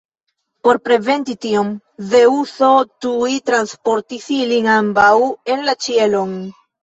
Por preventi tion, Zeŭso tuj transportis ilin ambaŭ en la ĉielon.